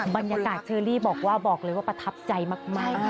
บรรยากาศเชอรี่บอกว่าบอกเลยว่าประทับใจมาก